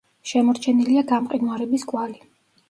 შემორჩენილია გამყინვარების კვალი.